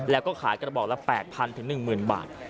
แล้วก็ขายกระบอกละ๘๐๐๑๐๐บาท